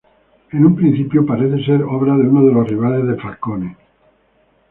En un principio parece ser obra de uno de los rivales de Falcone.